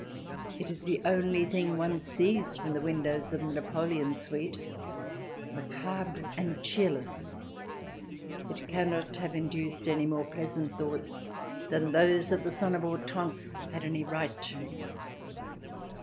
It is the only thing one sees from the windows of the Napoleon suite. Macabre and cheerless, it can not have induced any more pleasant thoughts than those that the son of Hortense had any right to.